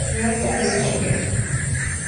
غیر تحریر شدہ